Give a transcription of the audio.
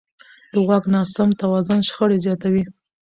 د واک ناسم توازن شخړې زیاتوي